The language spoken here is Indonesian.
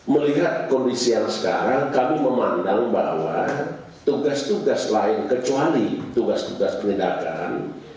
melihat kondisi yang sekarang kami memandang bahwa tugas tugas lain kecuali tugas tugas penindakan